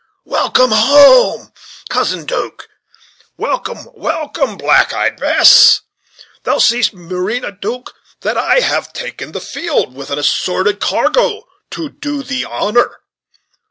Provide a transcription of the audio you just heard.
Welcome home, Cousin 'Duke welcome, welcome, black eyed Bess. Thou seest, Marina duke that I have taken the field with an assorted cargo, to do thee honor.